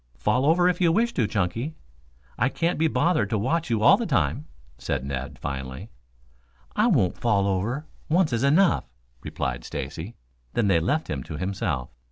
"Fall over if you wish to, Chunky. I can't be bothered to watch you all the time," said Ned finally. "I won't fall over. Once is enough," replied Stacy, then they left him to himself.